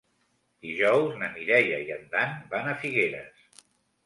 Dijous na Mireia i en Dan van a Figueres.